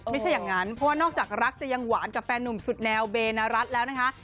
ไม่ใช่อย่างนั้นเพราะว่านอกจากรักจะยังหวานกับแฟนนุ่มสุดแนวเบนรัฐแล้วนะคะ